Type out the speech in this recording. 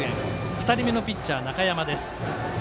２人目のピッチャー中山です。